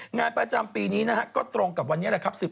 งานประจำปีนี้นะฮะก็ตรงกับวันนี้แหละครับ